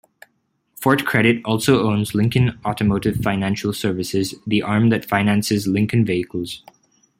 Ford Credit also owns Lincoln Automotive Financial Services, the arm that finances Lincoln vehicles.